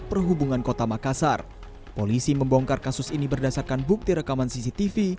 perhubungan kota makassar polisi membongkar kasus ini berdasarkan bukti rekaman cctv